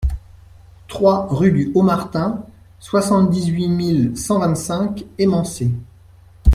trois rue du Haut Martin, soixante-dix-huit mille cent vingt-cinq Émancé